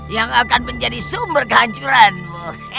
yang akan menjadi sumber kehancuranmu